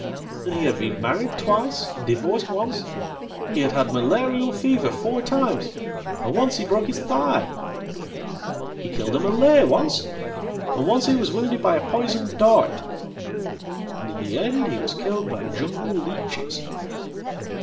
And he had been married twice and divorced once; hehad had malarial fever four times, and once he broke his thigh. He killeda Malay once, and once he was wounded by a poisoned dart. And in the endhe was killed by jungle leeches.